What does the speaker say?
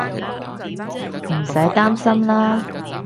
唔使擔心喇